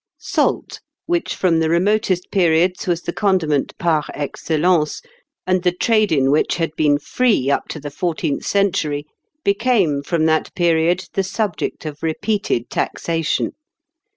Salt, which from the remotest periods was the condiment par excellence, and the trade in which had been free up to the fourteenth century, became, from that period, the subject of repeated taxation.